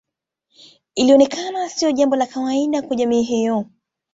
Ilionekana sio jambo la kawaida kwa jamii hiyo